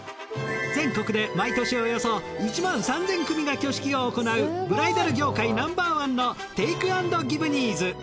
全国で毎年およそ１３，０００組が挙式を行うブライダル業界Ｎｏ．１のテイクアンドギヴ・ニーズ。